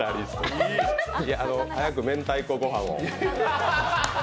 早く明太子ご飯を。